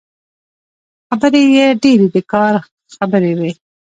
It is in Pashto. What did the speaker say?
خبرې يې ډېرې د کار خبرې وې.